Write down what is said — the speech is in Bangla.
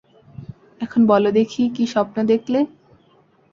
এখন বল দেখি কী স্বপ্ন দেখলে?